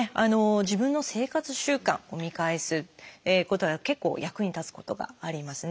自分の生活習慣を見返すことは結構役に立つことがありますね。